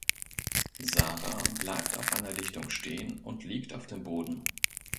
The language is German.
Sarah bleibt auf einer Lichtung stehen und liegt auf dem Boden.